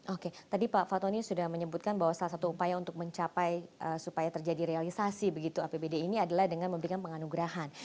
oke tadi pak fatoni sudah menyebutkan bahwa salah satu upaya untuk mencapai supaya terjadi realisasi begitu apbd ini adalah dengan memberikan penganugerahan